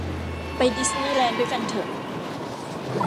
ไปดิสนี่แลนด์ด้วยกันเถอะ